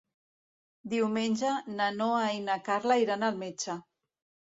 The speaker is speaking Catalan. Diumenge na Noa i na Carla iran al metge.